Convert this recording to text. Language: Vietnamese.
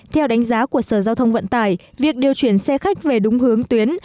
theo đánh giá của sở giao thông vận tải việc điều chuyển xe khách về đúng hướng tuyến